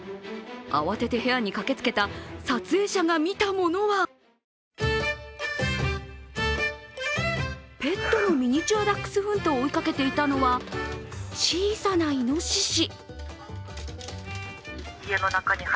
慌てて部屋に駆けつけた撮影者が見たものはペットのミニチュアダックスフントを追いかけていたのは、小さないのしし。